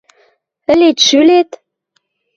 Ӹлет-шӱлет?